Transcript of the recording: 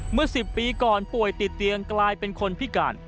เมื่อ๑๐ปีก่อนป่วยติดเตียงกลายเป็นคนพิการ